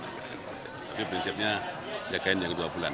tapi prinsipnya jagain yang dua bulan dua ribu sembilan belas